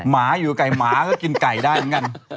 หมาอยู่กับไก่หมาก็กินไก่ได้เหมือนกัน